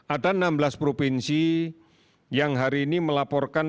ada enam belas provinsi yang hari ini melaporkan